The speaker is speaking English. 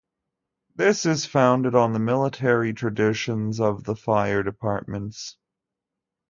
This is founded on the military traditions of the fire departments.